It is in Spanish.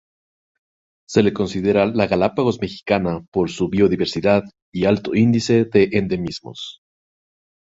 Se le considera la Galápagos mexicana por su biodiversidad y alto índice de endemismos.